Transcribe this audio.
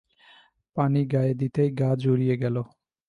পানি গায়ে দিতেই গা জুড়িয়ে গেল।